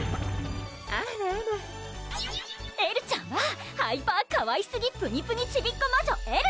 あらあらエルちゃんはハイパーカワイスギプニプニちびっ子魔女・エル！